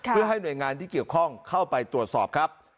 เพื่อให้หน่วยงานที่เกี่ยวข้องเข้าไปตรวจสอบครับ